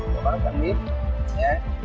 thầy bắt anh biết nha